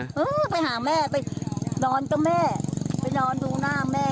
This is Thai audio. ไปหาแม่ไปนอนกับแม่ไปนอนดูหน้าแม่